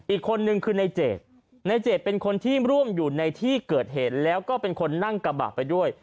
อีกคนนึงคือในเจดในเจดเป็นคนที่ร่วมอยู่ในที่เกิดเหตุแล้วก็เป็นคนนั่งกระบะไปด้วย